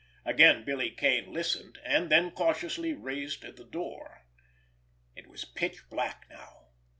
Again Billy Kane listened, and then cautiously raised the door. It was pitch black now.